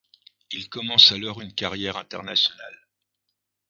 Il commence alors une carrière internationale.